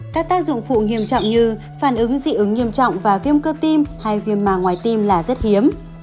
các tác dụng phụ nghiêm trọng như phản ứng dị ứng nghiêm trọng và viêm cơ tim hay viêm màng ngoài tim là rất hiếm